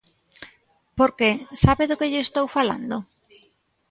Porque ¿sabe do que lle estou falando?